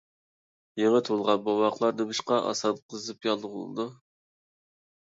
يېڭى تۇغۇلغان بوۋاقلار نېمىشقا ئاسان قىزىپ ياللۇغلىنىدۇ؟